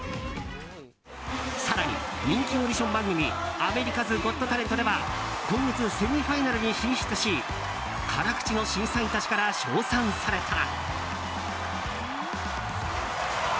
更に、人気オーディション番組「アメリカズ・ゴット・タレント」では今月セミファイナルに進出し辛口の審査員たちから称賛された。